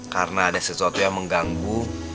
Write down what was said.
karena ada sesuatu yang mengganggu